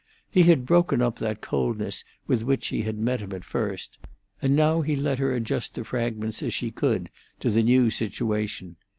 He had broken up that coldness with which she had met him at first, and now he let her adjust the fragments as she could to the new situation.